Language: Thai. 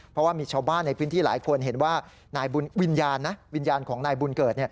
เพราะว่ามีชาวบ้านในพื้นที่หลายคนเห็นว่านายวิญญาณนะวิญญาณของนายบุญเกิด